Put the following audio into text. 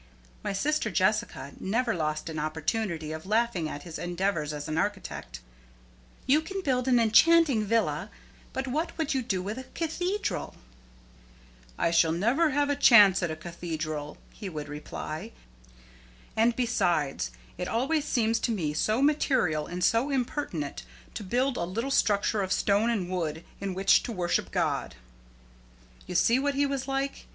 My sister Jessica never lost an opportunity of laughing at his endeavors as an architect. "You can build an enchanting villa, but what would you do with a cathedral?" "I shall never have a chance at a cathedral," he would reply. "And, besides, it always seems to me so material and so impertinent to build a little structure of stone and wood in which to worship God!" You see what he was like?